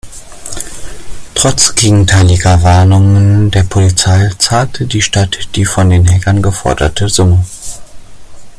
Trotz gegenteiliger Warnungen der Polizei zahlte die Stadt die von den Hackern geforderte Summe.